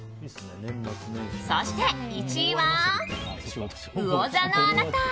そして１位は、うお座のあなた。